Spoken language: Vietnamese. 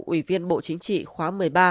ủy viên bộ chính trị khóa một mươi ba